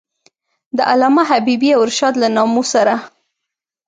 د علامه حبیبي او رشاد له نامو سره.